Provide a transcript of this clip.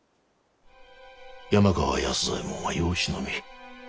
山川安左衛門は養子の身。